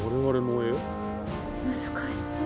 難しそう。